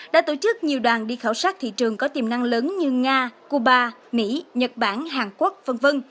đã tổ chức nhiều đoàn đi khảo sát thị trường có tiềm năng lớn như nga cuba mỹ nhật bản hàn quốc v v